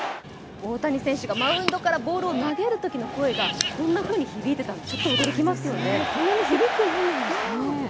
大谷選手がマウンドからボールを投げるときの声がこんなふうに響いてたんです。